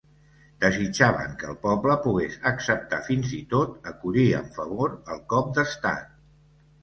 Desitjaven que el poble pogués acceptar fins i tot acollir amb favor el cop d'estat.